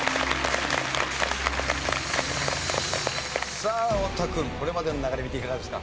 さあ太田君これまでの流れ見ていかがですか？